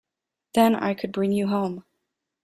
Then I could bring you home.